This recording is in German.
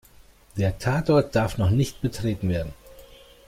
Der Tatort darf noch nicht betreten werden.